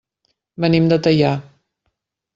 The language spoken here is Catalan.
Venim de Teià.